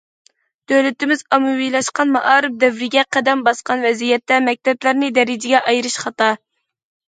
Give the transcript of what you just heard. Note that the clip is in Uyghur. دۆلىتىمىز ئاممىۋىلاشقان مائارىپ دەۋرىگە قەدەم باسقان ۋەزىيەتتە، مەكتەپلەرنى دەرىجىگە ئايرىش خاتا.